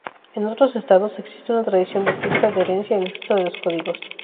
En otros estados, existe una tradición de estricta adherencia al texto de los códigos.